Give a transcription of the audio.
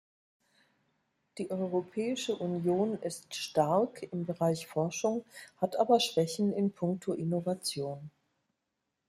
Die Europäische Union ist stark im Bereich Forschung, hat aber Schwächen in puncto Innovation.